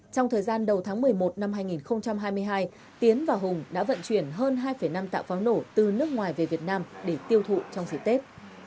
trong thời gian đầu tháng một mươi một năm hai nghìn hai mươi hai tiến và hùng đã vận chuyển hơn hai năm tạ pháo nổ từ nước ngoài về việt nam để tiêu thụ trong dịp tết